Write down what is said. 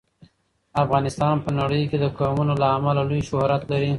افغانستان په نړۍ کې د قومونه له امله لوی شهرت لري.